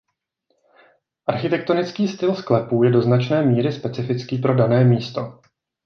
Architektonický styl sklepů je do značné míry specifický pro dané místo.